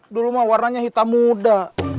dulu mah warnanya hitam muda